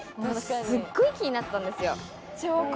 すっごい気になってたんですよ。